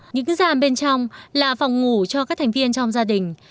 những gian bên trong là phòng ngủ cho các thành viên trong gia đình